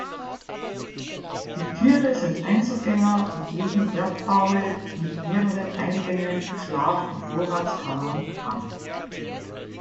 Die Tiere sind Einzelgänger und legen Erdbaue mit mehreren Eingängen, Schlaf- und Vorratskammern an.